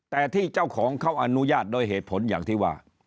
แต่ที่เจ้าของเขาอนุญาตโดยเหตุผลอย่างที่ว่า